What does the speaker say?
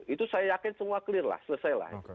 itu saya yakin semua clear lah selesai lah